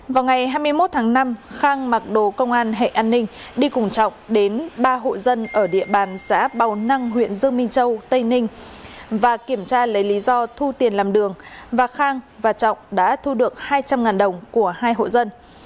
vào ngày hai mươi một tháng năm khang mặc đồ công an hệ an ninh đi cùng trọng đến ba hộ dân ở địa bàn xã bào năng huyện dương minh châu tây ninh và kiểm tra lấy lý do thu tiền làm đường và khang và trọng đã thu được hai trăm linh đồng của hai hộ dân